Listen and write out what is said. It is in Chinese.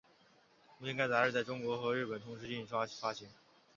目前该杂志在中国和日本同时印刷发行。